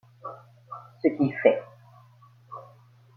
Ce qu’il fait.